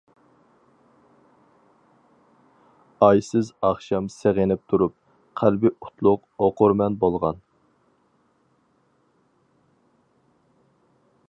ئايسىز ئاخشام سېغىنىپ تۇرۇپ، قەلبى ئوتلۇق ئوقۇرمەن بولغان.